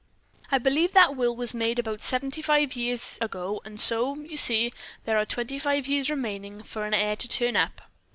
"I believe that will was made about seventy five years ago and so, you see, there are twenty five years remaining for an heir to turn up."